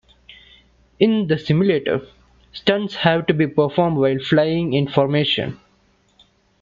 In the simulator, stunts have to be performed while flying in formation.